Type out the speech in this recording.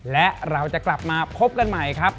และเราจะกลับมาพบกันใหม่ครับ